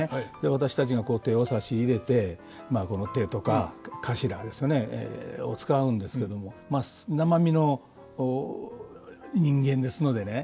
私たちが手を差し入れてまあ手とか頭ですよねを遣うんですけどもまあ生身の人間ですのでね。